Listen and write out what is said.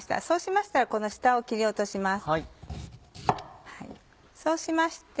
そうしましたらこの下を切り落とします。